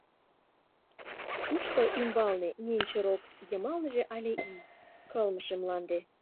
Тушто ӱмбалне ненче рок, йымалныже але ий, кылмыше мланде.